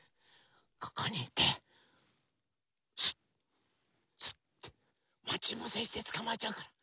ここにいてスッスッてまちぶせしてつかまえちゃうから。